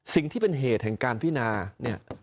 สิ่งที่เป็นเหตุแห่งการพินาเนี่ย